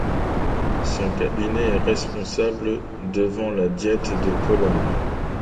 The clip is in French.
Son cabinet est responsable devant la Diète de Pologne.